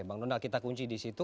bang donald kita kunci di situ